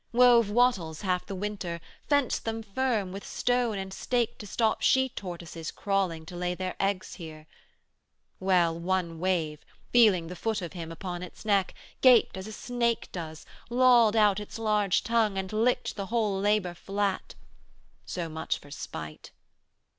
'Wove wattles half the winter, fenced them firm 205 With stone and stake to stop she tortoises Crawling to lay their eggs here: well, one wave, Feeling the foot of Him upon its neck, Gaped as a snake does, lolled out its large tongue, And licked the whole labor flat: so much for spite.